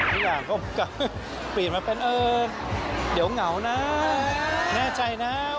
ทุกอย่างเขาก็เปลี่ยนมาเป็นเออเดี๋ยวเหงานะแน่ใจนะ